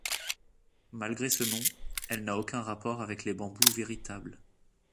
Malgré ce nom, elle n'a aucun rapport avec les bambous véritables.